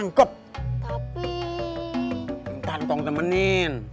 nah itu nomor tiga belas